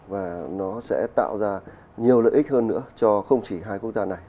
và nó sẽ tạo ra nhiều lợi ích hơn nữa cho không chỉ hai quốc gia này